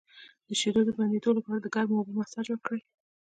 د شیدو د بندیدو لپاره د ګرمو اوبو مساج وکړئ